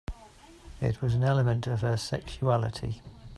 It was an element of her sexuality.